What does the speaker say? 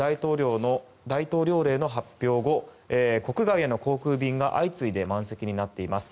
大統領令の発表後国外への航空便が相次いで満席になっています。